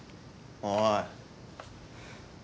おい！